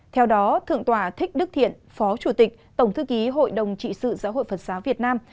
theo đó thượng tọa thích đức thiện phó chủ tịch tổng thư ký hội đồng trị sự giáo hội phật giáo việt nam